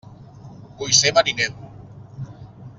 Vull ser mariner!